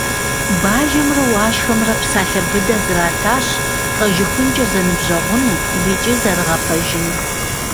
Бажэмрэ Уашхэмрэ псалъэ быдэ зэратащ лӀэжыхункӀэ зэныбжьэгъуну икӀи зэрыгъэпэжыну.